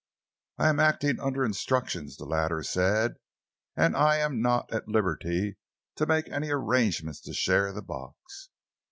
"I am acting under instructions," the latter said, "and I am not at liberty to make any arrangements to share the box."